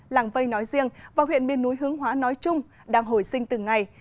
làng vây nói riêng và huyện miền núi hướng hóa nói chung đang hồi sinh từng ngày